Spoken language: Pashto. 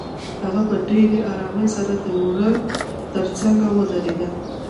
هغه په ډېرې آرامۍ سره د وره تر څنګ ودرېده.